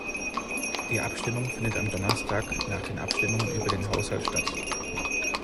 Die Abstimmung findet am Donnerstag nach den Abstimmungen über den Haushalt statt.